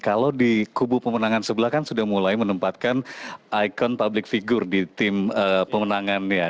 kalau di kubu pemenangan sebelah kan sudah mulai menempatkan ikon public figure di tim pemenangannya